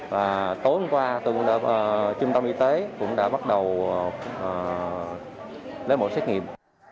và tối hôm qua trung tâm y tế cũng đã bắt đầu lấy mẫu xét nghiệm